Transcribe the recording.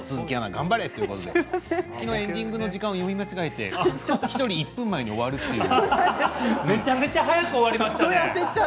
頑張れ、昨日はエンディングの時間を読み間違えて１人１分前に終わるという。